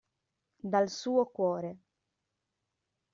Dal suo cuore.